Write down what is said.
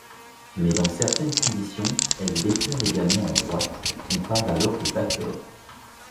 Mais dans certaines conditions, elle déferle également en droite, on parle alors de Backdoor.